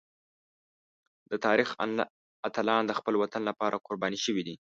د تاریخ اتلان د خپل وطن لپاره قربان شوي دي.